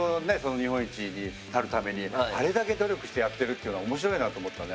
日本一になるためにあれだけ努力してやってるっていうのは面白いなと思ったね。